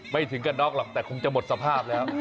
ถึงกระน็อกหรอกแต่คงจะหมดสภาพแล้ว